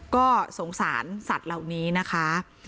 ก็สงสารสัตว์เหล่านี้นะคะ